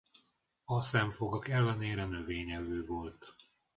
A szemfogak ellenére növényevő volt.